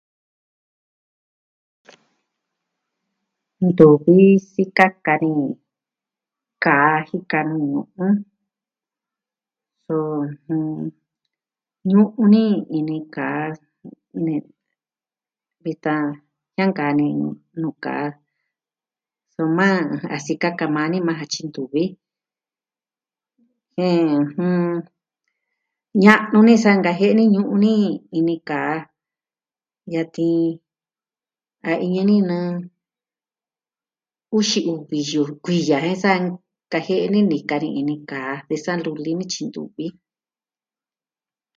Nuu vi sikaka ni, kaa jika nuu ñu'un. Ñu'un ni ini kaa ne vitan, jiankani nuu kaa soma sikaka maa ni maa ja tyi ntuvi jen, ña'nu sa nkajiene ñu'un ni ini kaa. Yatin, a iñɨ ni nɨɨ uxi uvi yu, kuiya jen sa kajie'e ni kani ni kaa ve sa luli nityi ntuvi.